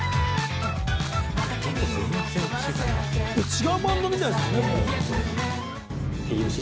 違うバンドみたいですよね。